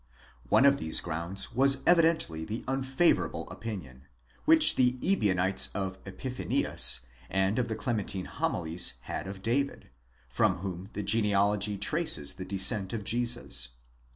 One of these grounds was evidently the unfavourable opinion, which the Ebionites of Epiphanius and of the Clementine Homilies had of David, from whom the genealogy traces the descent of Jesus.